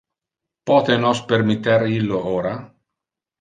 Pote nos permitter illo ora?